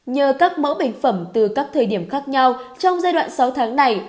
nhờ các mẫu bệnh phẩm từ các thời điểm khác nhau trong giai đoạn sáu tháng này